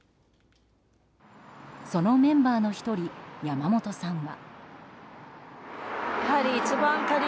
そのメンバーの１人山本さんは。